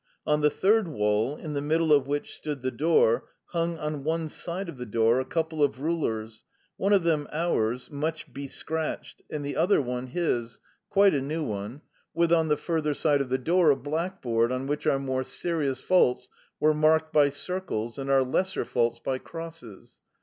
On the third wall (in the middle of which stood the door) hung, on one side of the door, a couple of rulers (one of them ours much bescratched, and the other one his quite a new one), with, on the further side of the door, a blackboard on which our more serious faults were marked by circles and our lesser faults by crosses.